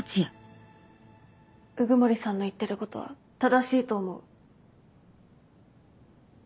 鵜久森さんの言ってることは正しいと思う。